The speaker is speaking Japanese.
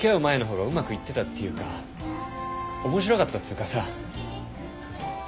前の方がうまくいってたっていうか面白かったつぅかさ。